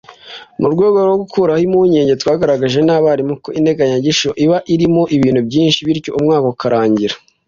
Mu rwego rwo gukuraho impungenge twagaragarijwe n’abarimu ko integanyanyigisho iba irimo ibintu byinshi bityo umwaka ukarangira